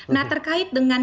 nah terkait dengan